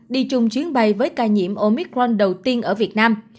đi chung chuyến bay với ca nhiễm omicron đầu tiên ở việt nam